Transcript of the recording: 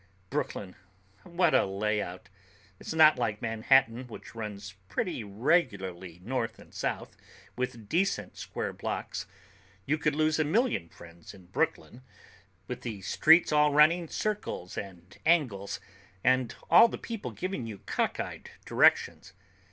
Brooklyn, what a layout. It's not like Manhattan, which runs pretty regularly north and south, with decent square blocks. You could lose a million friends in Brooklyn, with the streets all running in circles and angles, and the people all giving you cockeyed directions.